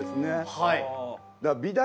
はい。